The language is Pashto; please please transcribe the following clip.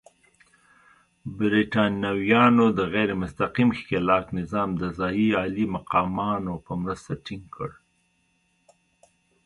برېټانویانو د غیر مستقیم ښکېلاک نظام د ځايي عالي مقامانو په مرسته ټینګ کړ.